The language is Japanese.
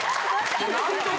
何とか。